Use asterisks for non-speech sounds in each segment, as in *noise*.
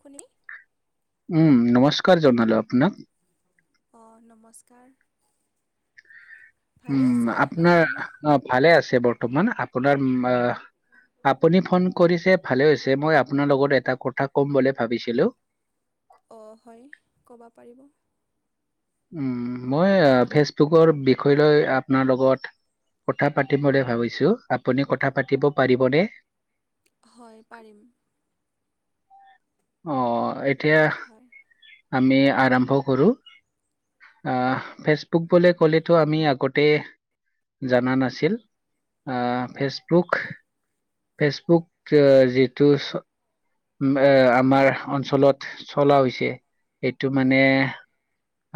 শুনি উম নমস্কাৰ জনালো আপোনাক। অ', নমস্কাৰ। ভালে উম, আছে আপোনাৰ আপুনি আ ভালে আছে বৰ্তমান আপোনাৰ উম আ আপুনি ফোন কৰিছে ভালে হৈছে মই আপোনাৰ লগত এটা কথা ক'ম বুলি ভাবিছিলো। অ', হয় ক'ব পাৰিব। উম, মই ফেচবুকৰ বিষয় লৈ আপোনাৰ লগত কথা পাতিম বুলি ভাবিছো। আপুনি কথা পাতিব পাৰিবনে? হয়, পাৰিম। অ', এতিয়া হয় আমি আৰম্ভ কৰোঁ। আহ ফেচবুক বুলিো ক'লেতো আমি আগতে জনা নাছিল। আহ উম, ফেচবুক ফেচবুক যিটো এ আমাৰ অঞ্চলত চলা হৈছে এইেটো মানে হয়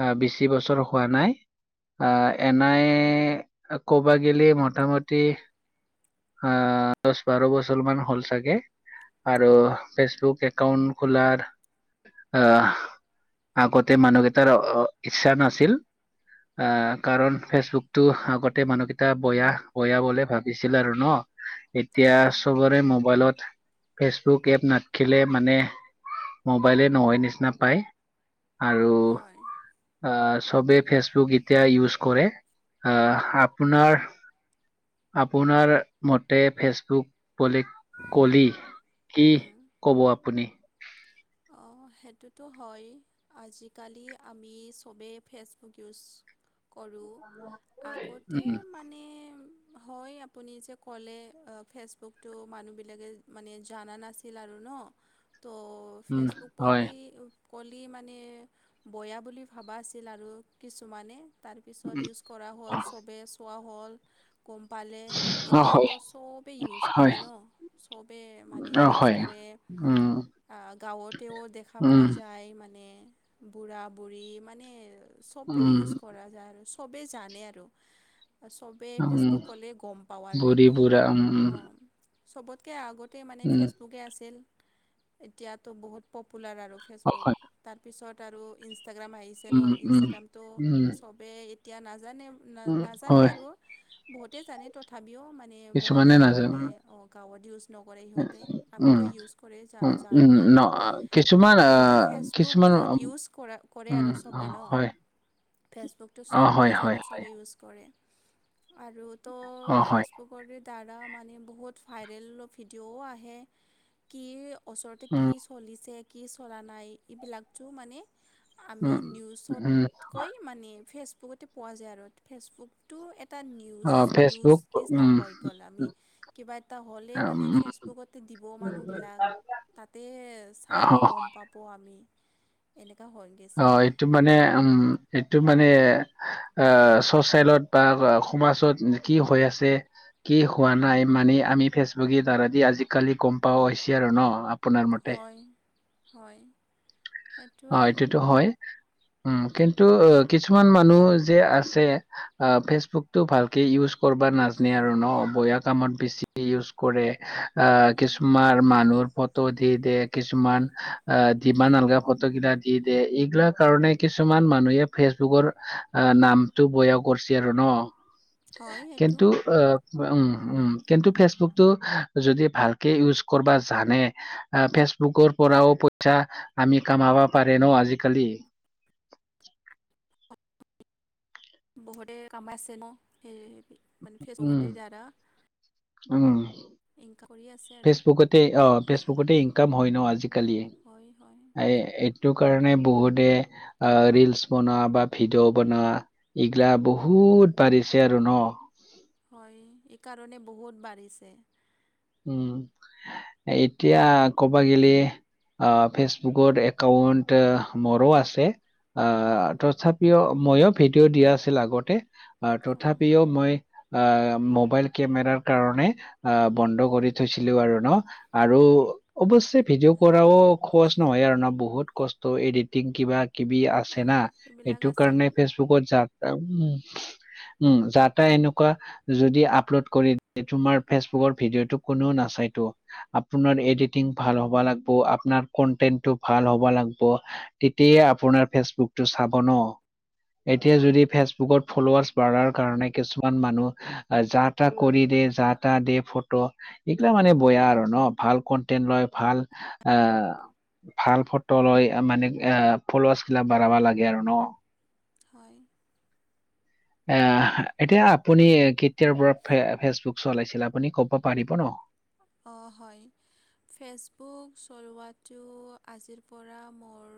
অ', বেছি বছৰ হোৱা নাই। আহ এনাই ক'বা গিলি মোটামটি অ', দহ বাৰ বছৰ মান হ'ল চাগে আৰু ফেচবুক একাউণ্ট খোলাৰ আহ আগতে মানুহকেইটাৰ ইচ্ছা নাছিল। আহ কাৰণ ফেচবুকতটো আগতে মানুহকেইটা বয়া বয়া বলে ভাব দিছিল আৰু ন এতিয়া হয় চবৰে মোবাইলত ফেচবুক এপ না থাকিলে মানে মোবাইলে নহয় নিচিনা পায় আৰু হয় আহ চবে ফেচবুক এতিয়া ইউজ কৰে। আহ আপোনাৰ আপোনাৰ মতে ফেচবুক বুলি কলি কি ক'ব আপুনি? অ', সেইটোতো হয়। আজিকালি আমি চবেই ফেচবুক ইউজ কৰো। আগতে উম মানে হয়, আপুনি যে ক'লে ফেচবুকতটো মানুহ বিলাকে মানে জনা নাছি ল আৰু ন। ত' উম, হয় পলি পলি মানে বয়া বুলি ভাবা আছিল আৰু কিছুমানে তাৰপিছত উম ইউজ কৰা হ'ল চবেই চোৱা হ'ল, গম পালে অ হয় এতিয়াতো চবেই ইউজ হয় কৰে ন'। চবে মানে অ ইউজ হয় কৰে উম আ, গাঁৱত ও দেখা পোৱা উম যায় মানে বুঢ়া-বুঢ়ী মানে চবেই উম ইউচ কৰা যায় আৰু চবেই জানে আৰু চব চবেই উম ফেচবুক ক'লেই গম পাওঁ আৰু বুঢ়ী এতিয়া বুঢ়া উম উম অ', চবতকে আগতে মানে উম ফেচবুকে আছিল এতিয়াতো বহুত পপুলাৰ আৰু অ ফেচবুক হয় তাৰপিছত আৰু ইনষ্টাগ্ৰাম আহিছে ন উম উম ইনষ্টাগ্ৰামটো উম চব বে এতিয়া নাজানে উম নাজানে হয় আৰু বহুতে জানে তথাপিও মানে *unintelligible* বহুতে কিছুমানে নাজানো মানে গাঁৱত ইউজ নকৰে সিহঁতে উম আমিতো ইউজ কৰে। জা উম উম জানোঁ ন আমি। কিছুমান অহ, কিন্তু আহ কিছুমান ফেচবুকটো উম ইউজ কৰা, কৰে উম, আৰু অ চবে ন'। হয় ফেচবুকটো অ হয় চবেই হয় জানে, হয় চবেই ইউজ কৰে আৰু অ ত' হয় ফেচবুক ফেচবুকৰ দ্বাৰা মানে বহুত ভাইৰেল ভিডিঅ'ও আহে, কি ওচৰতে উম কি চলিছে, কি চলা নাই এইবিলাকটো মানে আমি উম উম নিউজতকৈ মানে, ফেচবুকতে পোৱা যায়। আৰু ফেচবুক টো এটা নিউজ। অ নিউজ ফেচবুক নিচিনা উম হৈ গ'ল আমি। কিবা এটা হ'লেই মানে উম ফেচবুকতে দিব মানুহবিলাক তাতে অ চাইহে গম পাব আমি এনেকুৱা হয়। অহ, এইটো এইটো মানে, এইটো মানে এইটো অহ, চচেলত বা সমাজত কি হৈ আছে। কি হোৱা নাই, মানে আমি ফেচবুকৰ দ্বাৰা দি আজিকালি গম পাওঁ হৈছি আৰু ন'। আপোনাৰ মতে হয়, হয়। অহ, সেইটোৱে এইটোতো হয় উম, কিন্তু কিছুমান মানুহ যে আছে অহ, ফেচবুকতটো ভালকে ইউজ কৰিব নাজানে আৰু ন' বেয়া কামত বেছি ইউজ কৰে। অহ, কিছুমান মানুহৰ ফটো দি দেই কিছুমান অহ, দিবা নালগা ফটো ত' এইগিলাক দি দিয়ে এইগিলাৰ কাৰণে কিছুমান মানুহে ফেচবুকৰ অহ নাম নামটো বেয়া কৰছি আৰু ন? *unintelligible* সেইটো কিন্তু অহ', উম', উম'। কিন্তু ফেচবুকটো যদি ভালকে ইউজ কৰিব জানে অহ, ফেচবুকৰ পৰাও পইচা আমি কামাব পাৰে ন' আজিকালি। বহুতে কামাইচে আছে ন' সেই মানে ফেচবুকৰ উম', দ্বাৰা উম'। এনেকা কৰি আছে। আৰু ফেচবুকতে অহ, ফেচবুকতে ইনকাম হয় ন' আজিকালি। এ হয় হয় সেইটো কাৰণে বহুতে অহ, ৰিলচ বনোৱা বা ভিডিঅ' বনোৱা এইগিলা বহুত বাঢ়িছে আৰু ন'। হয়, এইকাৰণে বহুত বাঢ়িছে। উম, এতিয়া কবা গেলি অহ, ফেচবুকৰ একাউন্ট মোৰো আছে। উম, অহ, তথাপিও মইয়ো ভিডিঅ' দিয়া আছিল আগতে। অহ, অঁ তথাপিও মই অহ, মোবাইল কেমেৰাৰ কাৰণে বন্ধ কৰি থৈছি থৈছিলো আৰু ন' আৰু অৱশ্যে ভিডিঅ' কৰাও সহজ নহয় আৰু ন' বহুত কষ্ট এডিটিং কিবা কিবি আছে না, অঁ সেইবিলাক সেইটো আছে কাৰণে ফেচবুকত যাক-তাক উম, যাতা এনেকুৱা যদি আপলোড কৰি কিনে তোমাৰ ফেচবু ভিডিঅ'টো কোনো নাচাইতো। আপোনাৰ এডিটিং ভাল হ'ব লাগিব, আপোনাৰ কন্টেন্টটো ভাল হব লাগিব। তেতিয়াই আপোনাৰ ফেচবুকটো চাব ন'। এতিয়া যদি ফেচবুকত ফলোৱাৰ্চ বাঢ়াৰ কাৰণে কিছুমান মানুহ যাতা কৰি দেই যাতা দে ফটো এইগিলা মানে বেয়া আৰু ন' ভাল কন্টেনট লয় ভাল অহ, ভাল ফটো লৈ মানে এ ফলোৱাছ্ গিলাক বঢ়াবা লাগে আৰু ন'। হয়। এ এতিয়া আপুনি কেতিয়াৰ পৰা ফেচবুক চলাইছিল আপুনি ক'ব পাৰিব ন'। অহ, হয়। ফেচবুক চলোৱাটো আজিৰ পৰা মোৰ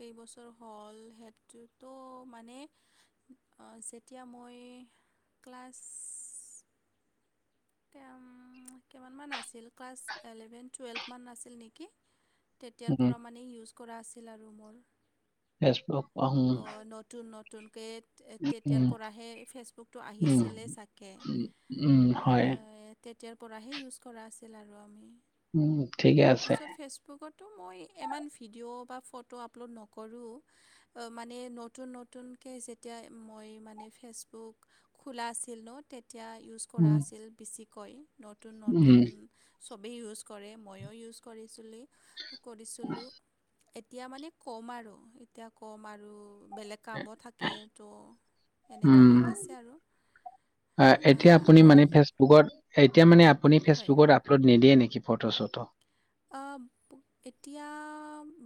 কেইবছৰ হ'ল সেইটোতো মানে অ', যেতিয়া মই ক্লাছ তেম কিমান মান আছিল, ক্লাছ এলেভেন টুৱেলভ মান আাছিল নেকি তেতিয়াৰ উম পৰা মানে ইউজ কৰা আছিল আৰু মোৰ। ফেচবুক উম, অ', নতুন নতুনকে উম, তেতিয়াৰ পৰাহে ফেচবুকটো উম, আহিছিলে চাগে। উম, উম, হয়। তেতিয়াৰ পৰাহে ইউজ কৰা আছিল আৰু আমি। উম, ঠিকে আছে। তাৰপিছত ফেচ বুকতো মই ইমান ভিডিঅ' বা ফটো আপলোড নকৰোঁ। মানে নতুন নতুনকে যেতিয়া মই মানে ফেচবুক খোলা আছিল ন', তেতিয়া ইউজ কৰা উম, আছিল বেছিকৈ। নতুন নতুন উম, চবেই ইউজ কৰে ময়ো ইউজ কৰিছিলোঁ, কৰিছিলোঁ। এতিয়া মানে ক'ম আৰু এতিয়া ক'ম আৰু বেলেগ কামো থাকে তো এনেকা হৈ গিছে আৰু অ', এতিয়া আপুনি মানে ফেচ বুকত, এতিয়া মানে আপুনি হয় ফেচবুকত আপলোড নিদিয়ে নেকি ফটো চটো। অ', এতিয়া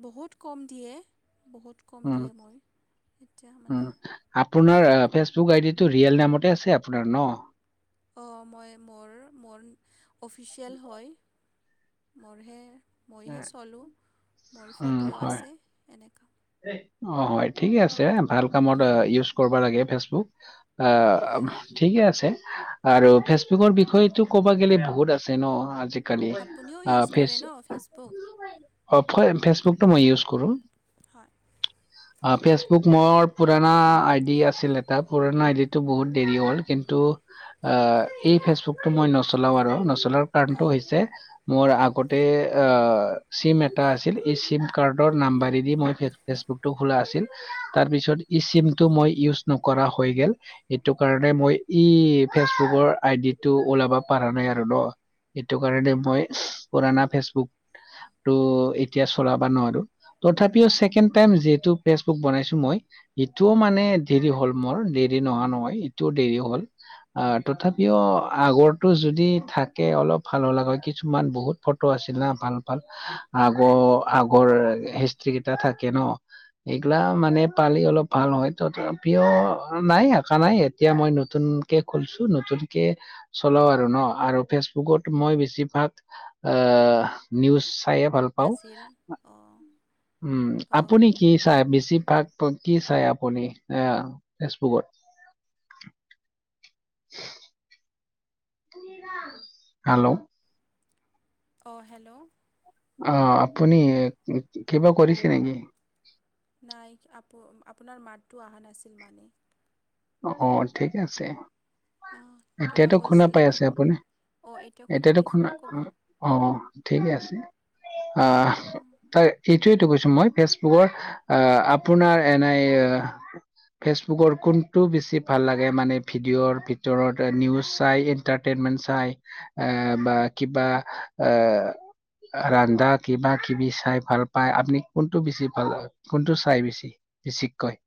বহুত কম দিয়ে। বহুত কম উম, দিয়ে মই, এতিয়া মানে উম, আপোনাৰ ফেচবুক আই ডিটো ৰিয়েল নামতে আছে আপোনাৰ ন'? অ, মই মোৰ, মোৰ অফিচিয়েল হয়। মোৰহে মইহে উম, চলোঁ। মোৰ উম, ফটো হয়। আছে এনেকা অ, হয়। ঠিকে আছে। ভাল কামত আ, ইউজ কৰিব লাগে ফেচবুক। আ হয় ঠিকে আছে আৰু ফেচবুকৰ বিষয়টো ক'বা গেলি বহুত আছে ন'। আজি আপুনিও ইউজ কৰে ন' ফেচবুক। অ, ফই, ফেচবুকটো মই ইউজ কৰোঁ। হয় ফেচবুক মোৰ পুৰণা আইডি আছিল এটা, পুৰণা আইডিটো বহুত দেৰি হ'ল কিন্তু আ, এই ফেচবুকটো মই নচলাও আৰু নচলাৰ কাৰণটো অঁ হৈছে মোৰ আগতে অ, চিম এটা আছিল। এই চিম কাৰ্ডৰ নাম্বাৰী দি মই ফেচবুকটো খোলা আছিল। তাৰ পিছত ই চিম টো মই ইউজ নকৰা হৈ গেল। ইটো কাৰণে মই ই ফেচবুকৰ আইডি টো ওলাব পৰা নাই আৰু ৰ। ইটো কাৰণে মই, পুৰণা ফেচবুকটো এতিয়া চলাবা নোৱাৰোঁ। তথাপিও ছেকেন টাইম যিহেতু ফেচবুক বনাইছো মই, ইটোও মানে উম, দেৰি হ'ল। মোৰ দেৰি নহোৱা নহয়। ইটোও দেৰি হ'ল। আ, তথাপিও আগৰতো যদি থাকে, অলপ ভাল হলা হয়। কিছুমান বহুত ফটো আছিল না, ভাল ভাল। আগৰ, আগৰ হিষ্ট্ৰ্ৰী কেইটা থাকে ন'। ইগলা মানে পালি অলপ ভাল হয়। তথাপিও নাই, আশা নাই। এতিয়া মই নতুন কে খুলছোঁ। নতুনকে চলাও আৰু ন', আৰু ফেচবুকত মই বেছি ভাগ আ, নিউজ চাই আপ আছিল অ'। উম। আপুনি কি চাই বেছিভাগ কি চাই, আপুনি আহ, ফেচবুকত। *inaudible* হাল্ল'। অ', হেল্ল'। অ', আপুনি কিবা কৰিছে নেকি? নাই। আপো, আপোনাৰ মাতটো অহা নাছিল মানে অ', অ'। ঠিক আছে। অ কিবা এতিয়াটো খুনা কৈছিলে পাই আছে আপুনি। অ এতিয়া শুনি এতিয়াটো পাইছোঁ খুনা ক'ব। অ', ঠিকে আছে। আ', তাইৰ সেইটোয়েইটো কৈছো মই, ফেচবুকৰ আ', আপোনাৰ এনাই এ ফেচবুকৰ কোন? টো বেছি ভাল লাগে মানে ভিডিঅ'ৰ ভিতৰত নিউজ চাই এন্টাৰটেইনমেন্ট চাই আ', বা কিবা আ' ৰান্ধা কিবা কিবি চাই ভাল পাই, আপুনি কোনটো বেছি ভাল পাই? কোনটো চাই বেছি বেছিককৈ?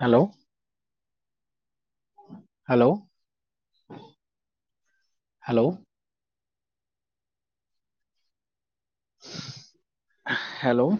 হেল্ল'। Hello, hello. হেল্ল'।